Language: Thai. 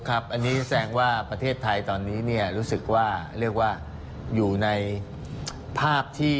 อันนี้แสดงว่าประเทศไทยตอนนี้เนี่ยรู้สึกว่าเรียกว่าอยู่ในภาพที่